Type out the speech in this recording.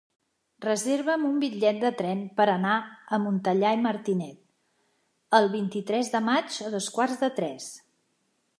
Reserva'm un bitllet de tren per anar a Montellà i Martinet el vint-i-tres de maig a dos quarts de tres.